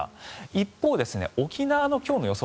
一方、沖縄の今日の予想